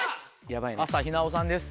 朝日奈央さんです。